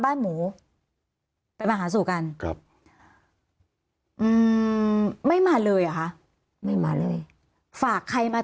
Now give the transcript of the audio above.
บ้านหมูไปมาหาสู่กันครับอืมไม่มาเลยเหรอคะไม่มาเลยฝากใครมา